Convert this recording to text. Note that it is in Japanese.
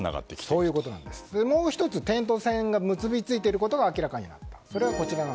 もう１つ点と線が結びついていることが明らかになりました。